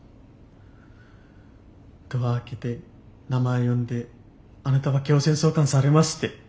ドア開けて名前呼んであなたは強制送還されますって。